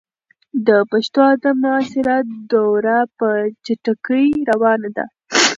د پښتو ادب معاصره دوره په چټکۍ روانه ده.